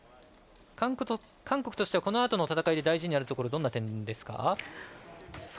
韓国としては、このあとの戦いで大事になるところはどんな点ですか。